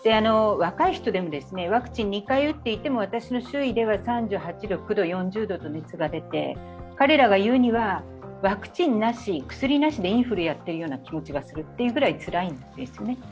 若い人でもワクチン２回打っていても私の周囲では３８度、３９度、４０度と熱が出て彼らが言うにはワクチンなし薬なしでインフルやっているような気持ちがするというぐらいつらいんですよね。